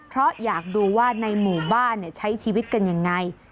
เพราะอยากดูว่าในหมู่บ้านใช้ชีวิตกันยังไง